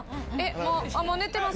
もう寝てます？